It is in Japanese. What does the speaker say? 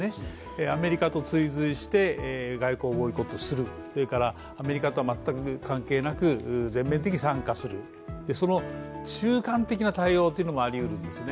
アメリカと追随して外交的ボイコットをする、アメリカとは全く関係なく全面的に参加するその中間的な対応もありうるんですね。